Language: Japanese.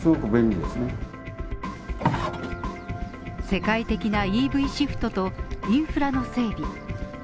世界的なＥＶシフトとインフラの整備